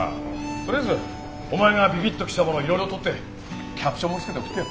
とりあえずお前がビビッときたものをいろいろ撮ってキャプションも付けて送ってよ。